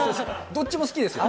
どっちも好きですよ。